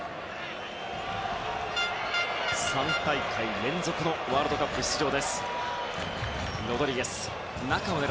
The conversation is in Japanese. ３大会連続ワールドカップ出場。